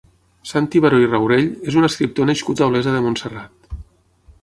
Santi Baró i Raurell és un escriptor nascut a Olesa de Montserrat.